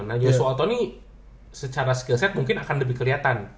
nah joshua otto ini secara skill set mungkin akan lebih keliatan